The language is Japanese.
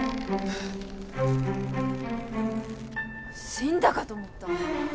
死んだかと思った。